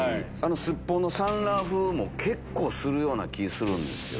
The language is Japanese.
スッポンの酸辣風も結構するような気ぃするんです。